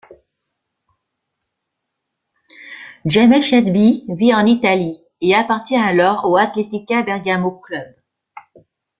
Jamel Chatbi vit en Italie et appartient alors au Atletica Bergamo Club.